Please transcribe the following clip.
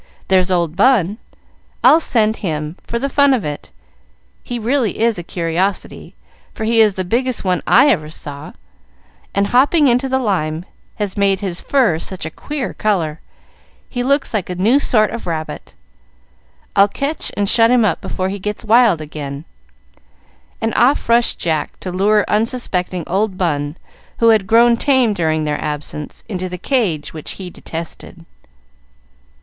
There's old Bun. I'll send him, for the fun of it; he really is a curiosity, for he is the biggest one I ever saw, and hopping into the lime has made his fur such a queer color, he looks like a new sort of rabbit. I'll catch and shut him up before he gets wild again;" and off rushed Jack to lure unsuspecting old Bun, who had grown tame during their absence, into the cage which he detested.